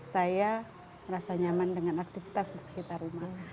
saya merasa nyaman dengan aktivitas di sekitar rumah